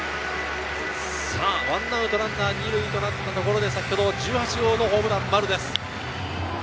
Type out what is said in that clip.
１アウトランナー２塁となったところで先ほど１８号ホームランの丸です。